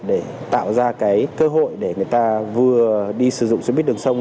để tạo ra cái cơ hội để người ta vừa đi sử dụng xe buýt đường sông